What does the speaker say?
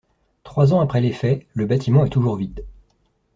Trois ans après les faits, le bâtiment est toujours vide.